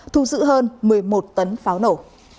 thu giữ hơn một mươi một tấn pháo nổ